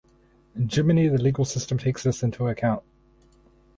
In Germany the legal system takes this into account.